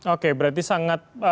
oke berarti sangat